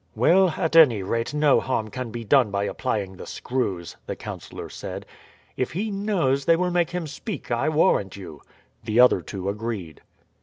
"Well, at any rate no harm can be done by applying the screws," the councillor said. "If he knows they will make him speak, I warrant you." The other two agreed.